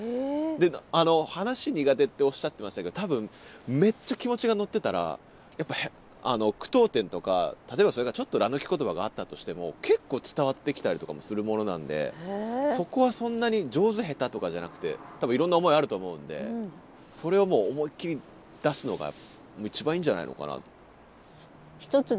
話苦手っておっしゃってましたけど多分めっちゃ気持ちが乗ってたらやっぱ句読点とか例えばそれがちょっとら抜き言葉があったとしても結構伝わってきたりとかもするものなんでそこはそんなに上手下手とかじゃなくて多分いろんな思いあると思うんでそれをもう思いっきり出すのが一番いいんじゃないのかな。